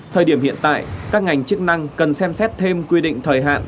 thời điểm hiện tại các ngành chức năng cần xem xét thêm quy định thời hạn